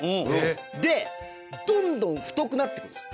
でどんどん太くなって行くんです。